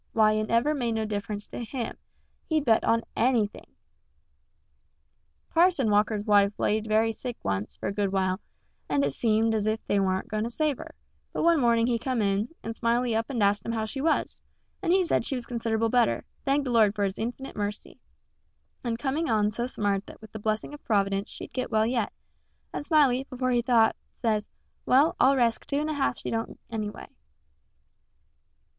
Why, it never made no difference to him he'd bet on _any_thing the dangdest feller. Parson Walker's wife laid very sick once, for a good while, and it seemed as if they warn't going to save her; but one morning he come in, and Smiley up and asked him how she was, and he said she was considable better thank the Lord for His inf'nite mercy and coming on so smart that with the blessing of Prov'dence she'd get well yet; and Smiley, before he thought, says, "Well, I'll resk two and a half she don't anyway."